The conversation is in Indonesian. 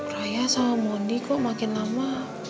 raya sama mondi kok makin lama